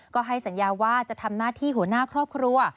ก็ให้สัญญาว่าจะทำหน้าที่หัวหน้าครอบครัว